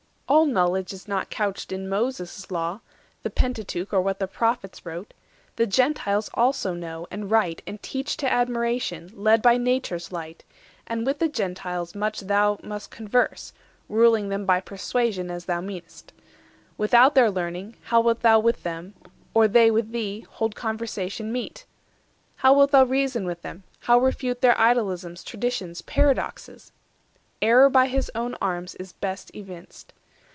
All knowledge is not couched in Moses' law, The Pentateuch, or what the Prophets wrote; The Gentiles also know, and write, and teach To admiration, led by Nature's light; And with the Gentiles much thou must converse, Ruling them by persuasion, as thou mean'st. 230 Without their learning, how wilt thou with them, Or they with thee, hold conversation meet? How wilt thou reason with them, how refute Their idolisms, traditions, paradoxes? Error by his own arms is best evinced.